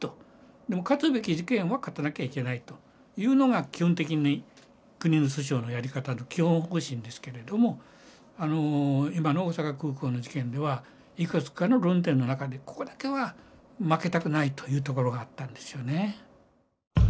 でも勝つべき事件は勝たなきゃいけないというのが基本的に国の訴訟のやり方の基本方針ですけれども今の大阪空港の事件ではいくつかの論点の中でここだけは負けたくないというところがあったんですよね。